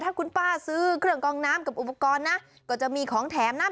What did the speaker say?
ถ้าคุณป้าซื้อเครื่องกองน้ำกับอุปกรณ์นะก็จะมีของแถมนะ